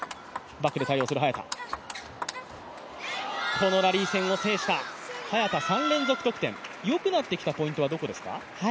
このラリー戦を制した、早田３連続得点よくなってきたポイントはどこですか？